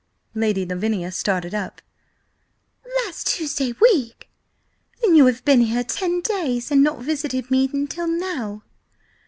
Lady Lavinia started up. "Last Tuesday week? Then you have been here ten days and not visited me until now!"